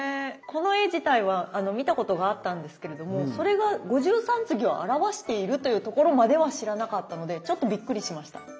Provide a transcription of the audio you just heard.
この絵自体は見たことがあったんですけれどもそれが五十三次を表しているというところまでは知らなかったのでちょっとびっくりしました。